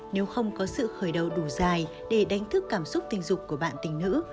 nếu không có sự khởi đầu đủ dài để đánh thức cảm xúc tình dục của bạn tình nữ